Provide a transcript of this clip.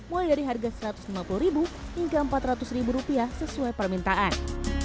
mulai dari harga rp satu ratus lima puluh hingga rp empat ratus sesuai permintaan